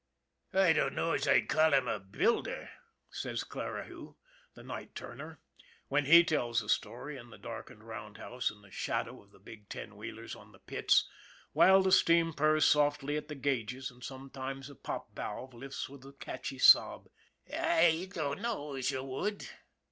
" I dunno as you'd call him a builder," says Clarihue, the night turner, when he tells the story in the darkened roundhouse in the shadow of the big ten wheelers on the pits, while the steam purrs softly at the gauges and sometimes a pop valve lifts with a catchy sob, " I dunno as you would.